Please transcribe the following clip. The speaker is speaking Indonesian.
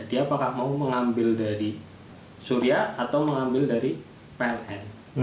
dia apakah mau mengambil dari surya atau mengambil dari pln